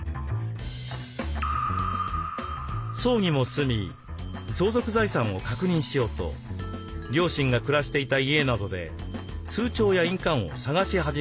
葬儀も済み相続財産を確認しようと両親が暮らしていた家などで通帳や印鑑を探し始めた森永さん。